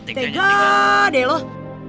tega deh loh